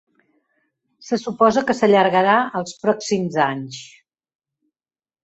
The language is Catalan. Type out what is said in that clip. Se suposa que s'allargarà els pròxims anys.